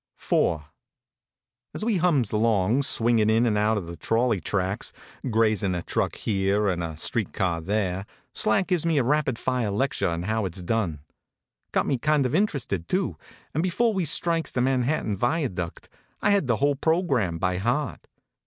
IV A S we hums along, swingin in and *^ out of the trolley tracks, grazin a truck here and a street car there, Slat gives me a rapid fire lecture on how it s done. Got me kind of int rested too, and be fore we strikes the Manhattan Viaduct I had the whole program by heart.